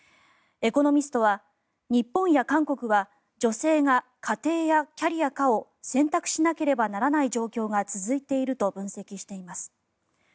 エコノミストは日本や韓国は女性が家庭やキャリアかを選択しなければならない状況が続いていると分析しています。